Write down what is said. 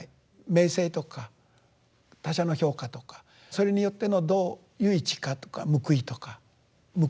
名声とか他者の評価とかそれによってのどういう位置かとか報いとか報いを受けない。